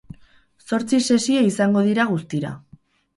Zortzi sesio izango dira guztira.